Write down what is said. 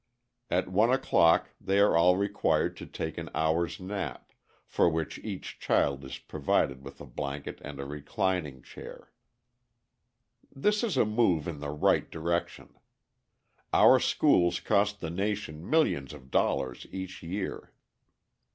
At 1 o'clock they are all required to take an hour's nap, for which each child is provided with a blanket and a reclining chair. This is a move in the right direction. Our schools cost the nation millions of dollars each year.